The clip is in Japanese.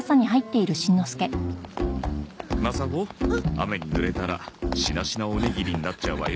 雨にぬれたらしなしなおにぎりになっちゃうわよ。